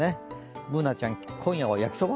Ｂｏｏｎａちゃん、今夜は焼きそば？